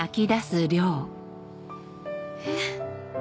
えっ？